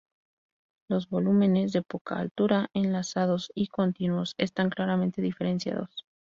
Los volúmenes, de poca altura, enlazados y continuos, están claramente diferenciados.